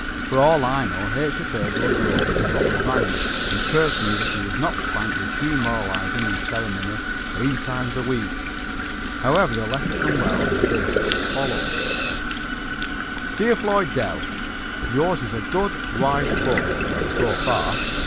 For all I know H. 3rd will grow up to rob a bank and curse me that he was not spanked with due moralizing and ceremony three times a week. However, the letter from Wells is as follows: "Dear Floyd Dell: Yours is a good, wise book so far.